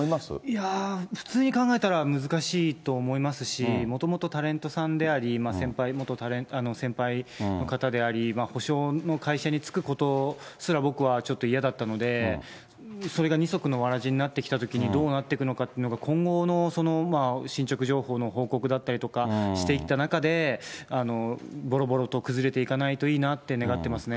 いやー、普通に考えたら難しいと思いますし、もともとタレントさんであり、先輩、先輩の方であり、補償の会社に就くことすら僕はちょっと嫌だったので、それが二足のわらじになってきたときに、どうなっていくのかっていうのが、今後の進捗状況の報告だったりとかしてきた中で、ぼろぼろと崩れていかないといいなって願ってますね。